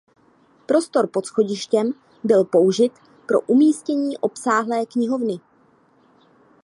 Prostor pod schodištěm byl použit pro umístění obsáhlé knihovny.